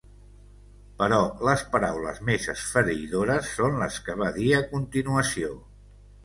Però les paraules més esfereïdores són les que va dir a continuació.